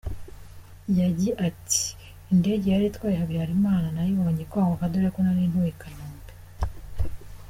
Yagi ati «Indege yari itwaye Habyarimana nayibonye ikongoka, dore ko nari ntuye i Kanombe.